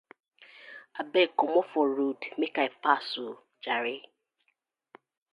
Abeg komot for road mek I pass oh jare.